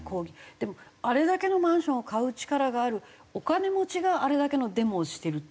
でもあれだけのマンションを買う力があるお金持ちがあれだけのデモをしてるって事。